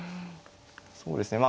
そうですね。